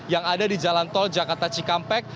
yang ada di jalan tol jakarta cikampek